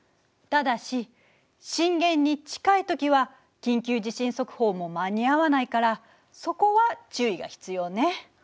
ただし震源に近い時は緊急地震速報も間に合わないからそこは注意が必要ね。